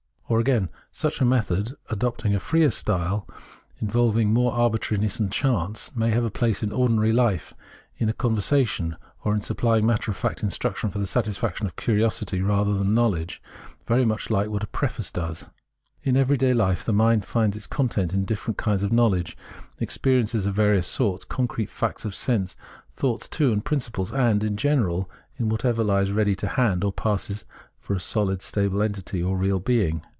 Or, again, such a method, adopting a freer style, one involving more 46 Phenomenology of Mind of arbitrariness and chance, may have a place in ordi nary Ufe, in a conversation, or in supplying matter of fact instruction for the satisfaction of curiosity rather than knowledge, very much like what a preface does. In every day life the mind finds its content in different kinds of knowledge, experiences of various sorts, con crete facts of sense, thoughts, too, and principles, and, in general, in whatever Ues ready to hand, or passes for a sohd stable entity, or real being.